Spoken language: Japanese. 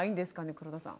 黒田さん。